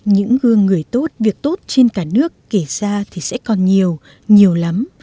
những gương người tốt việc tốt trên cả nước kể ra thì sẽ còn nhiều nhiều lắm